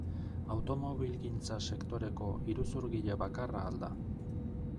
Automobilgintza sektoreko iruzurgile bakarra al da?